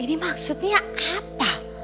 ini maksudnya apa